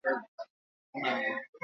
Zure ahalegina ikusten dut.